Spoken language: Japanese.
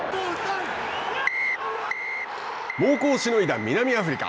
猛攻をしのいだ南アフリカ。